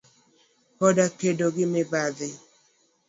kod kedo gi mibadhi.